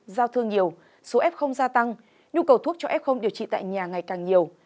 giao thương nhiều số f gia tăng nhu cầu thuốc cho f điều trị tại nhà ngày càng nhiều